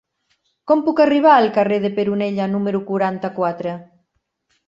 Com puc arribar al carrer de Peronella número quaranta-quatre?